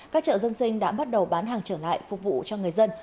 các chợ dân sinh đã bắt đầu bán hàng trở lại phục vụ cho người dân